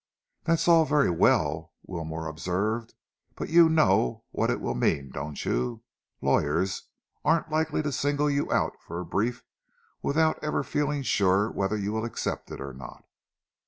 "That's all very well," Wilmore observed, "but you know what it will mean, don't you? Lawyers aren't likely to single you out for a brief without ever feeling sure whether you will accept it or not."